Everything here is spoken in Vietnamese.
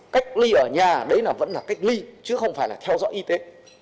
cách ly ở nhà đấy là vẫn là cách ly chứ không phải là theo dõi y tế